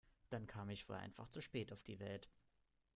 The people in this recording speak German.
Dann kam ich wohl einfach zu spät auf die Welt.